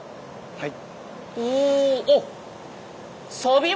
はい。